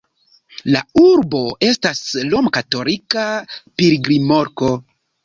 La urbo estas romkatolika pilgrimloko.